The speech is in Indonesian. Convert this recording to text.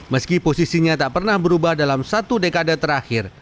meski posisinya tak pernah berubah dalam satu dekade terakhir